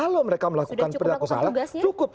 kalau mereka melakukan perilaku salah cukup